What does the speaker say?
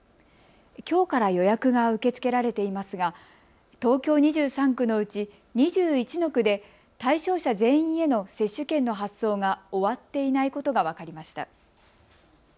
きょうから予約が受け付けられていますが東京２３区のうち２１の区で対象者全員への接種券の発送が終わっていないことが分かりました。